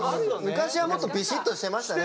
昔はもっとビシッとしてましたね